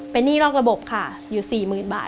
เป็นนี่รอกระบบค่ะอยู่๔หมือนบาท